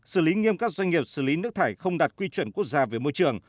xử lý nghiêm các doanh nghiệp xử lý nước thải không đạt quy chuẩn quốc gia về môi trường